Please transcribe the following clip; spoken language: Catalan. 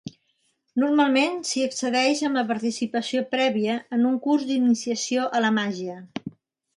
Normalment s'hi accedeix amb la participació prèvia en un curs d'iniciació a la màgia.